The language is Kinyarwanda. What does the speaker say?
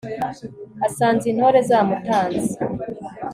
asanze intore zamutanze